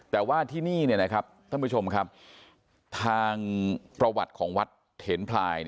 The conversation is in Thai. แต่ว่าที่นี่นะครับท่านผู้ชมครับทางประวัติของวัดเถนพลาย